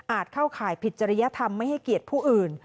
เข้าข่ายผิดจริยธรรมไม่ให้เกียรติผู้อื่น